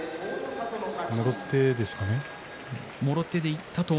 もろ手でしたね。